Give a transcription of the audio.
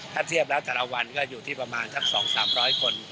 ถ้าเทียบแล้วแต่ละวันก็อยู่ที่ประมาณสัก๒๓๐๐คน